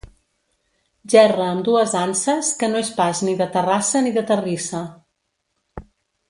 Gerra amb dues anses que no és pas ni de Terrassa ni de terrissa.